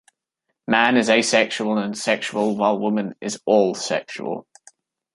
Man is asexual and sexual, while woman is all sexual.